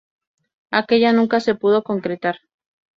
Aquella nunca se pudo concretar.